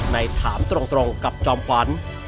ในถามตรงกับจอมฝัน